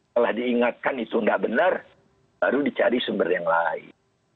kalau diingatkan itu tidak benar baru dicari sumber yang lain